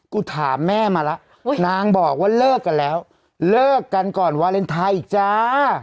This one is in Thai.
ถามแม่มาแล้วนางบอกว่าเลิกกันแล้วเลิกกันก่อนวาเลนไทยอีกจ้า